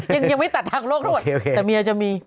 ยังไม่ตัดทางโลกด้วยแต่เมียจะมี